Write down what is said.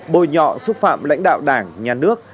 bồi nhọ xúc phạm lãnh đạo đảng nhà nước